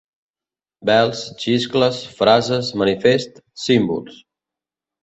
Bels, xiscles, frases, manifests, símbols.